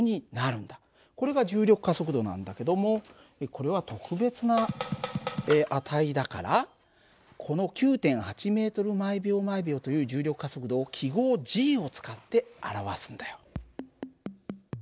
これが重力加速度なんだけどもこれは特別な値だからこの９．８ｍ／ｓという重力加速度を記号を使って表すんだよ。